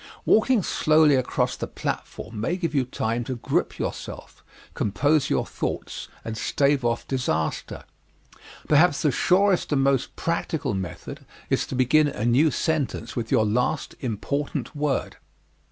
Walking slowly across the platform may give you time to grip yourself, compose your thoughts, and stave off disaster. Perhaps the surest and most practical method is to begin a new sentence with your last important word.